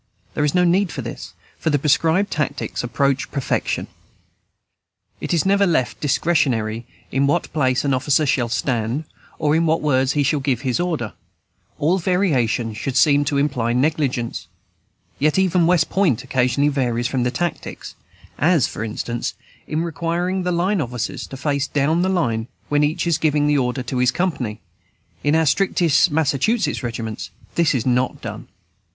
There is no need of this; for the prescribed "Tactics" approach perfection; it is never left discretionary in what place an officer shall stand, or in what words he shall give his order. All variation would seem to imply negligence. Yet even West Point occasionally varies from the "Tactics," as, for instance, in requiring the line officers to face down the line, when each is giving the order to his company. In our strictest Massachusetts regiments this is not done.